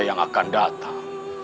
yang akan datang